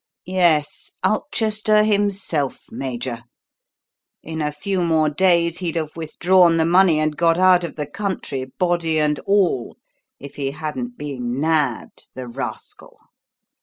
"Yes, Ulchester himself, Major. In a few more days he'd have withdrawn the money, and got out of the country, body and all, if he hadn't been nabbed, the rascal.